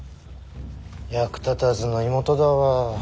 役立たずな妹だわ。